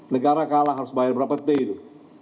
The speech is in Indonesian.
negara kalah harus bayar berapa t itu